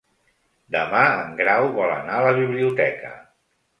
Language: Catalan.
Demà en Grau vol anar a la biblioteca.